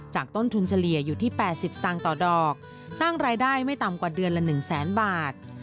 ต้นทุนเฉลี่ยอยู่ที่๘๐สตางค์ต่อดอกสร้างรายได้ไม่ต่ำกว่าเดือนละ๑แสนบาท